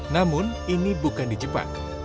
namun ini bukan di jepang